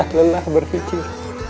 aku sudah lelah berpikir